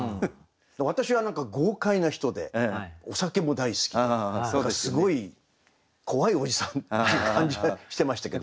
私は何か豪快な人でお酒も大好きですごい怖いおじさんという感じがしてましたけど。